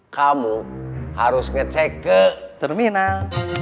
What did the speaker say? kamu harus ngecek ke terminal